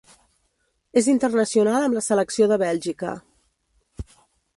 És internacional amb la selecció de Bèlgica.